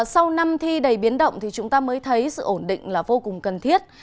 sau năm thi đầy biến động thì chúng ta mới thấy sự ổn định là vô cùng cần thiết